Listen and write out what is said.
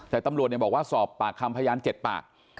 แต่ตำรวจเนี่ยบอกว่าสอบปากคำพยานเจ็ดปาก